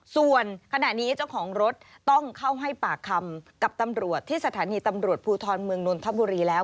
ส่วนขณะนี้เจ้าของรถต้องเข้าให้ปากคำกับตำรวจที่สถานีตำรวจภูทรเมืองนนทบุรีแล้ว